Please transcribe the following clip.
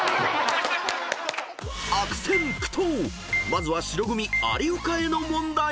まずは白組有岡への問題］